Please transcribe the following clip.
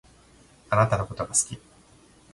あなたのことが好き